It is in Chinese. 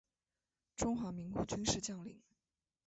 中华民国军事将领。